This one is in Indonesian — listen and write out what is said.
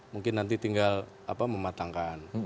mungkin nanti tinggal mematangkan